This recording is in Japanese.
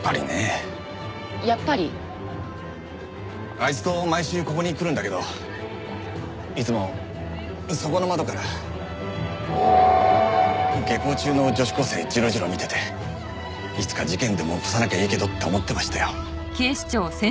あいつと毎週ここに来るんだけどいつもそこの窓から下校中の女子高生ジロジロ見てていつか事件でも起こさなきゃいいけどって思ってましたよ。